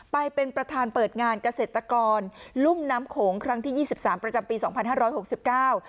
ไปเป็นประธานเปิดงานเกษตรกรลุ่มน้ำโขงครั้งที่ยี่สิบสามประจำปีสองพันห้าร้อยหกสิบเก้า